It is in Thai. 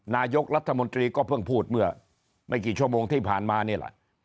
นายกรัฐมนตรีก็เพิ่งพูดเมื่อไม่กี่ชั่วโมงที่ผ่านมานี่แหละ